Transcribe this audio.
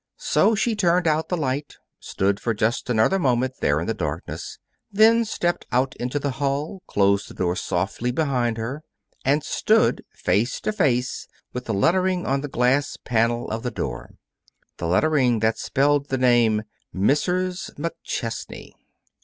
So she turned out the light, stood for just another moment there in the darkness, then stepped out into the hall, closed the door softly behind her, and stood face to face with the lettering on the glass panel of the door the lettering that spelled the name, "MRS. MCCHESNEY."